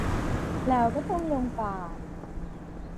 แล้วก็ต้องหลงป่า